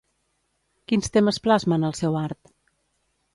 Quins temes plasma en el seu art?